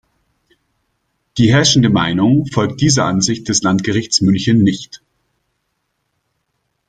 Die herrschende Meinung folgt dieser Ansicht des Landgerichts München nicht.